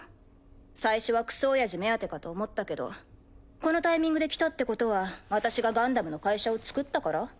最初はクソおやじ目当てかと思ったけどこのタイミングで来たってことは私がガンダムの会社をつくったから？